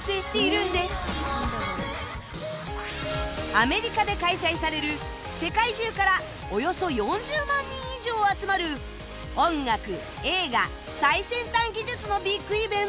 アメリカで開催される世界中からおよそ４０万人以上集まる音楽・映画・最先端技術のビッグイベントで